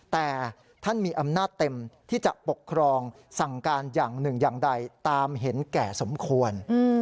แต่ท่านมีอำนาจเต็มที่จะปกครองสั่งการอย่างหนึ่งอย่างใดตามเห็นแก่สมควร